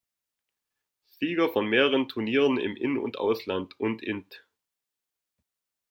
Sieger von mehreren Turnieren im In- und Ausland und Int.